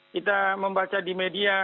kita membaca di media